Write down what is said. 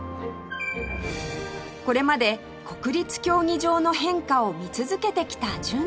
これまで国立競技場の変化を見続けてきた純ちゃん